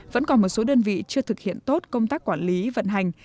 vẫn còn một số đơn vị chưa thực hiện tốt công tác quản lý vận hành